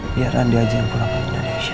biar andi aja yang pulang ke indonesia